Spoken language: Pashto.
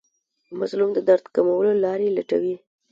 مظلوم د درد کمولو لارې لټوي.